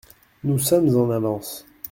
Nous sommes en avance.